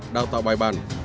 đào tạo bài bản